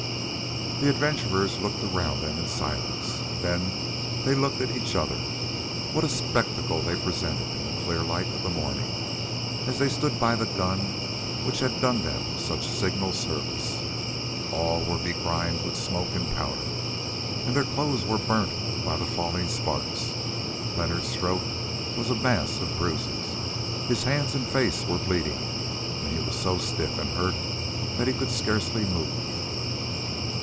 The adventurers looked around them in silence, then they looked at each other. What a spectacle they presented in the clear light of the morning, as they stood by the gun which had done them such signal service! All were begrimed with smoke and powder, and their clothes were burnt by the falling sparks. Leonard's throat was a mass of bruises, his hands and face were bleeding, and he was so stiff and hurt that he could scarcely move.